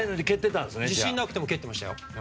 自信がなくても蹴ってましたよ。